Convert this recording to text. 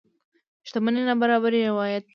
شتمنۍ نابرابرۍ روايت دي.